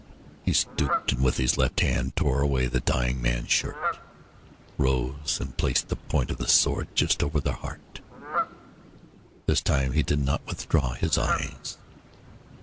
He stooped and with his left hand tore away the dying man's shirt, rose and placed the point of the sword just over the heart. This time he did not withdraw his eyes.